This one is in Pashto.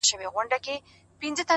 وموږ تې سپكاوى كاوه زموږ عزت يې اخيست;